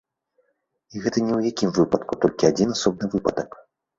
І гэта ні ў якім выпадку толькі адзін асобны выпадак.